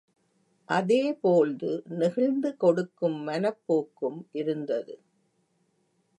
அதேபோழ்து நெகிழ்ந்து கொடுக்கும் மனப்போக்கும் இருந்தது.